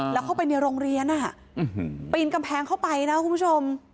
แล้วเข้าไปในโรงเรียนปีนกำแพงเข้าไปนะคุณผู้ชม